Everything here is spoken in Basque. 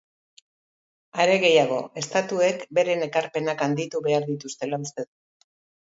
Are gehiago, estatuek beren ekarpenak handitu behar dituztela uste du.